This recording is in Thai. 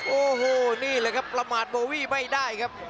โอ้โหนี่แหละครับประมาทโบวี่ไม่ได้ครับ